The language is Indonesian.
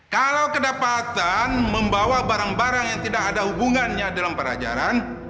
kalau kedapatan membawa barang barang yang tidak ada hubungannya dalam perajaran